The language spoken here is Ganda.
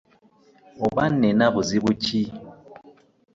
Oba Nina buzibu ki.